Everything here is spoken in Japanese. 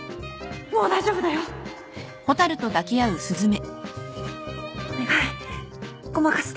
もう大丈夫だよお願いごまかして。